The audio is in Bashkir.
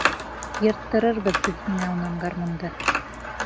Йырттырырбыҙ беҙ һинән гармунды!